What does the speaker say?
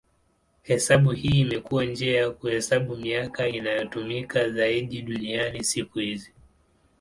Hesabu hii imekuwa njia ya kuhesabu miaka inayotumika zaidi duniani siku hizi.